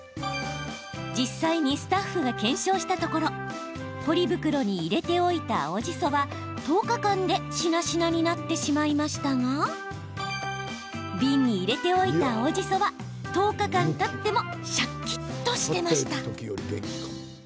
実際にスタッフが検証したところポリ袋に入れておいた青じそは１０日間で、しなしなになってしまいましたがビンに入れておいた青じそは１０日間たってもシャキっとしていました。